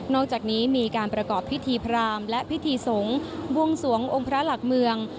อกจากนี้มีการประกอบพิธีพรามและพิธีสงฆ์บวงสวงองค์พระหลักเมือง